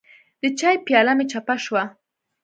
د چای پیاله مې چپه شوه.